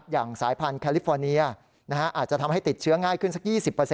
อย่างสายพันธ์แคลิฟอร์เนียอาจจะทำให้ติดเชื้อง่ายขึ้นสัก๒๐